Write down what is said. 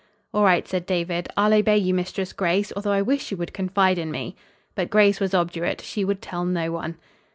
"All right," said David. "I'll obey you Mistress Grace, although I wish you would confide in me." But Grace was obdurate. She would tell no one.